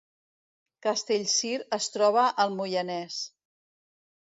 Castellcir es troba al Moianès